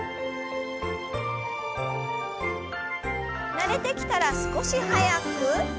慣れてきたら少し速く。